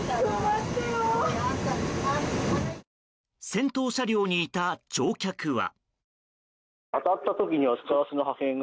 先頭車両にいた乗客は。